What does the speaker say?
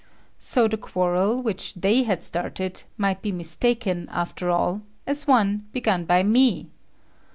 So the quarrel, which they had started, might be mistaken, after all, as one begun by me.